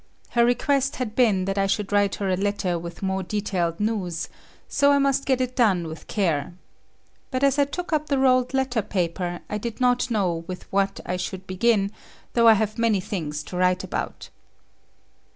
Her request had been that I should write her a letter with more detailed news; so I must get it done with care. But as I took up the rolled letter paper, I did not know with what I should begin, though I have many things to write about.